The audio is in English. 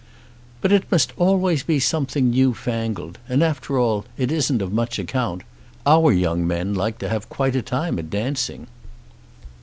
"But it must always be something new fangled; and after all it isn't of much account. Our young men like to have quite a time at dancing."